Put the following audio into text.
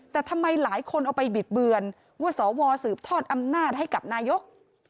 แต่ทำไมหลายคนเอาไปบิดเบือนว่าสวสืบทอดอำนาจให้กับนายก